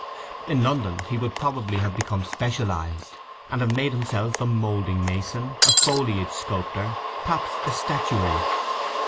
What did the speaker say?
In London he would probably have become specialized and have made himself a "moulding mason," a "foliage sculptor"—perhaps a "statuary."